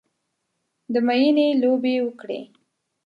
د میینې لوبې وکړې